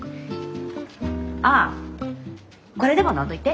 ああこれでも飲んどいて。